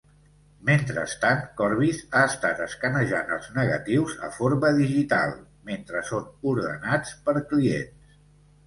Mentrestant, Corbis ha estat escanejant els negatius a forma digital mentre són ordenats per clients.